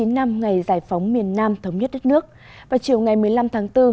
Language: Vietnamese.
bốn mươi chín năm ngày giải phóng miền nam thống nhất đất nước và chiều ngày một mươi năm tháng bốn